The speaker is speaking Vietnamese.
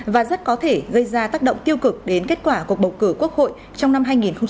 và rất có thể gây ra tác động tiêu cực đến kết quả cuộc bầu cử quốc hội trong năm hai nghìn hai mươi